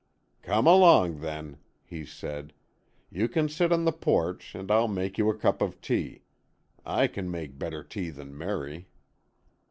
"Come along, then," he said. "You can sit on the porch, and I'll make you a cup of tea. I can make better tea than Merry."